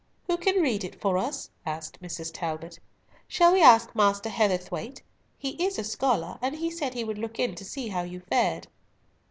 "Who can read it, for us?" asked Mrs. Talbot. "Shall we ask Master Heatherthwayte? he is a scholar, and he said he would look in to see how you fared."